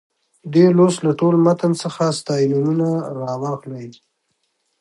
دې لوست له ټول متن څخه ستاینومونه راواخلئ.